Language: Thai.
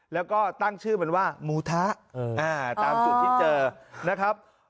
แล้วก็ตั้งชื่อมันว่าหมูทะตามสูตรที่เจอนะครับ